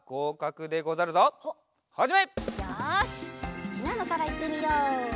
すきなのからいってみよう。